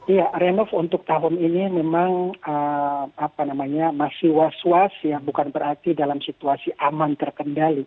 iya renov untuk tahun ini memang masih was was ya bukan berarti dalam situasi aman terkendali